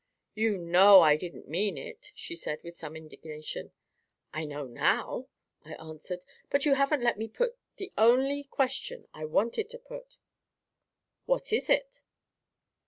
"You KNOW I didn't mean it," she said, with some indignation. "I know now," I answered. "But you haven't let me put the only question I wanted to put." "What is it?"